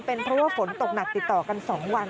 เป็นเพราะว่าฝนตกหนักติดต่อกัน๒วัน